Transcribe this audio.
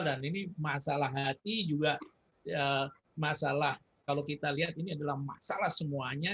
dan ini masalah hati juga masalah kalau kita lihat ini adalah masalah semuanya